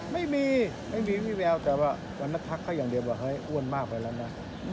ไม่มีไม่มีวิแววแต่ว่าวันนั้นทักเขาอย่างเดียวว่าเฮ้ยอ้วนมากไปแล้วนะ